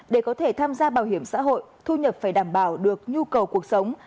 để có thể tham gia bảo hiểm xã hội thu nhập phải đảm bảo được nhu cầu cuộc sống